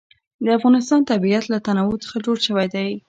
د افغانستان طبیعت له تنوع څخه جوړ شوی دی.